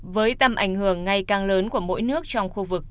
với tầm ảnh hưởng ngày càng lớn của mỗi nước trong khu vực